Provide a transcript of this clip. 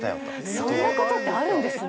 そんなことってあるんですね。